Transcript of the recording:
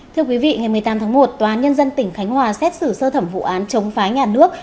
thưa quý vị ngày một mươi tám tháng một tòa án nhân dân tỉnh khánh hòa xét xử sơ thẩm vụ án chống phá nhà nước